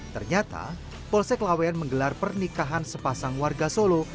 ternyata polsek laweyan menggelar pernikahan sepasang warga solo